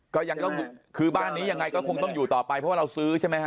ก็ยังต้องคือบ้านนี้ยังไงก็คงต้องอยู่ต่อไปเพราะว่าเราซื้อใช่ไหมฮ